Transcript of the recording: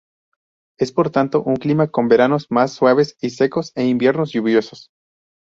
Es por tanto un clima con veranos más suaves y secos e inviernos lluviosos.